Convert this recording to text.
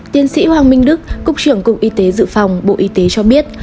tiến sĩ hoàng minh đức cục trưởng cục y tế dự phòng bộ y tế cho biết